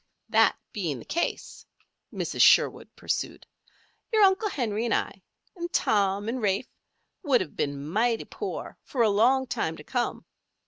"That being the case," Mrs. Sherwood pursued, "your Uncle Henry and I, and Tom and Rafe, would have been mighty poor for a long time to come.